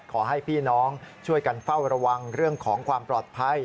ขอให้พี่น้องช่วยกันเฝ้าระวังเรื่องของความปลอดภัย